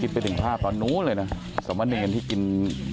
กินไปถึงพระตอนนู้นเลยนะสำหรับงั้นที่กินอ๋อ